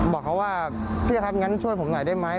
บอกเขาว่าพี่ครับงั้นช่วยผมหน่อยได้ไหม